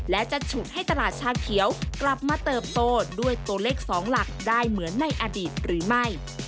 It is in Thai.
และจะฉุดให้ตลาดชาเขียวกลับมาเติบโตด้วยตัวเลข๒หลักได้เหมือนในอดีตหรือไม่